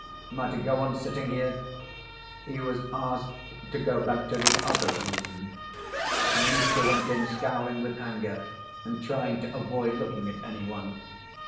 Am I to go on sitting here?" He was asked to go back to the "other room." Mitya went in, scowling with anger, and trying to avoid looking at any one.